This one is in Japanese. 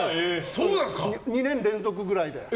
２年連続ぐらいで。